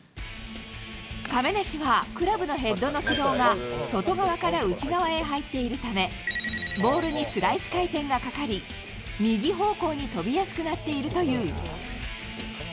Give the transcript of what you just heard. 亀梨はクラブのヘッドの軌道が、外側から内側へ入っているため、ボールにスライス回転がかかり、右方向に飛びやすくなっているという。